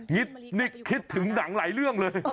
นิกคิดถึงหนังหลายเรื่องเลย